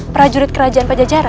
prajurit kerajaan pajajara